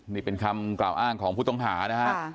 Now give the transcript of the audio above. นี่เป็นคำแปลว่าอ้างของผู้ต้องหาครับค่ะ